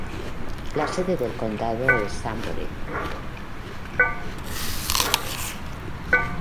La sede del condado es Sunbury.